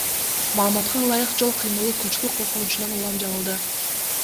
Маалыматка ылайык, жол кыймылы көчкү коркунучунан улам жабылды.